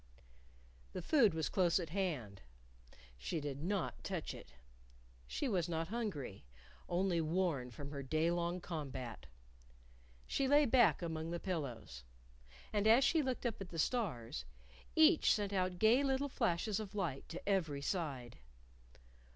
The food was close at hand. She did not touch it. She was not hungry, only worn with her day long combat. She lay back among the pillows. And as she looked up at the stars, each sent out gay little flashes of light to every side.